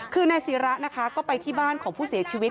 คือนายศิระนะคะก็ไปที่บ้านของผู้เสียชีวิต